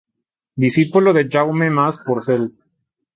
Discípulo de Jaume Mas Porcel.